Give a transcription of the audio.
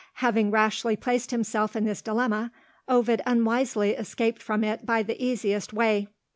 Having rashly placed himself in this dilemma, Ovid unwisely escaped from it by the easiest way.